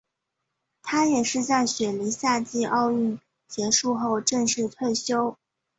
他也在雪梨夏季奥运结束后正式退休。